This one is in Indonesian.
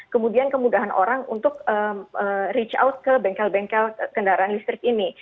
kemudian kemudahan orang untuk reach out ke bengkel bengkel kendaraan listrik ini